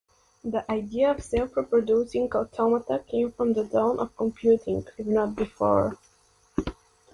The idea of self-reproducing automata came from the dawn of computing, if not before.